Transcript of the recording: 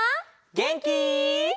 げんき？